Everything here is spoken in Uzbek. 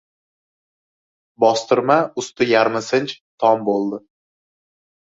Bostirma usti yarmi sinch tom bo‘ldi.